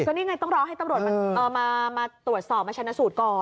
นี่ไงต้องรอให้ตำรวจมาตรวจสอบมาชนะสูตรก่อน